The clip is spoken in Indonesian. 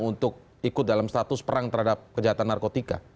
untuk ikut dalam status perang terhadap kejahatan narkotika